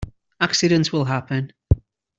Accidents will happen.